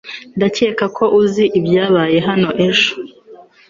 Ndakeka ko uzi ibyabaye hano ejo